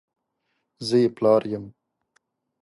زه یې پلار یم !